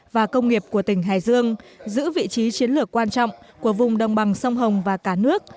và công nghiệp của tỉnh hải dương giữ vị trí chiến lược quan trọng của vùng đồng bằng sông hồng và cả nước